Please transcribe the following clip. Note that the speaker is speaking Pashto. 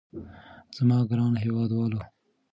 زما ګرانو هېوادوالو.